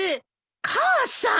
母さん！？